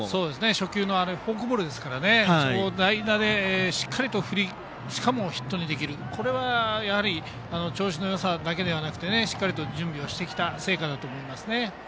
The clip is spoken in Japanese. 初球のフォークボールを代打で振ってしかもヒットにできるのは調子のよさだけではなくしっかりと準備をしてきた成果だと思います。